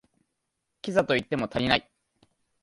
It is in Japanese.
キザと言っても足りない